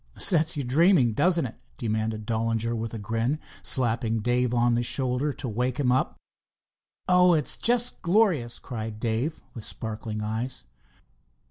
"Sets you dreaming, does it?" demanded Dollinger with a grin, slapping Dave on the shoulder to wake him up. "Oh, it's just glorious!" cried Dave, with sparkling eyes.